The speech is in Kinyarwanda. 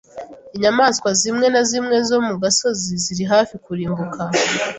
Inyamaswa zimwe na zimwe zo mu gasozi ziri hafi kurimbuka.